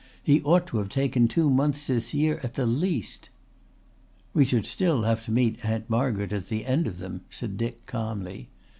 He ought to have taken two months this year at the least." "We should still have to meet Aunt Margaret at the end of them," said Dick calmly.